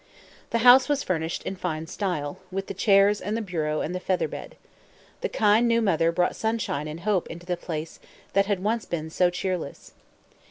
The house was furnished in fine style, with the chairs and the bureau and the feather bed. The kind, new mother brought sunshine and hope into the place that had once been so cheerless.